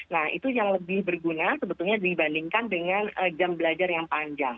nah itu yang lebih berguna sebetulnya dibandingkan dengan jam belajar yang panjang